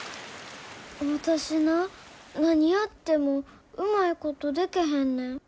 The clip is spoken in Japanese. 私な何やってもうまいことでけへんねん。